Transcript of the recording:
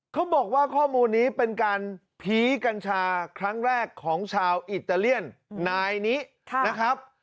เขาบอกว่าข้อมูลนี้เป็นการผีกัญชาครั้งแรกของชาวอิตาเลียนนายนี้นะครับ